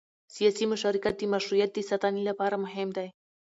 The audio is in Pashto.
سیاسي مشارکت د مشروعیت د ساتنې لپاره مهم دی